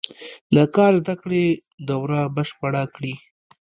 د کار زده کړې دوره بشپړه کړي.